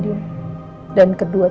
gue ngerasa seperti apa